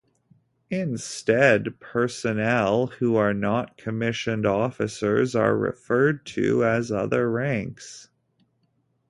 Instead, personnel who are not commissioned officers are referred to as other ranks.